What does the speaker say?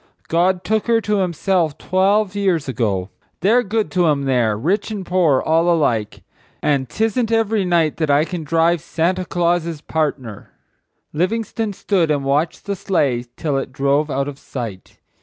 God took her to Himself twelve years ago. They're good to 'em there, rich and poor all alike;—and 't isn't every night I can drive 'Santa Claus's partner.'" Livingstone stood and watched the sleigh till it drove out of sight.